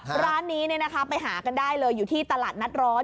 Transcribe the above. ร้านนี้ไปหากันได้เลยอยู่ที่ตลาดนัดร้อน